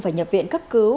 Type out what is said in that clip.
phải nhập viện cấp cứu